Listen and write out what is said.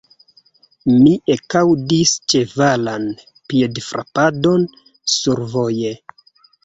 Mi ekaŭdis ĉevalan piedfrapadon survoje.